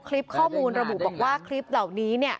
คลิปข้อมูลระบุบอกว่าคลิปเหล่านี้